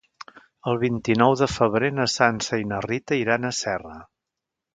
El vint-i-nou de febrer na Sança i na Rita iran a Serra.